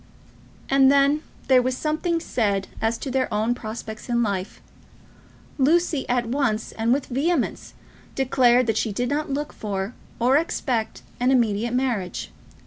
And then there was something said as to their own prospects in life. Lucy at once and with vehemence declared that she did not look for or expect an immediate marriage.